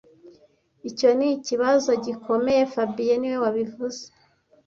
Icyo nikibazo gikomeye fabien niwe wabivuze